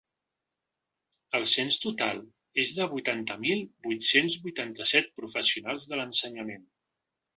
El cens total és de vuitanta mil vuit-cents vuitanta-set professionals de l’ensenyament.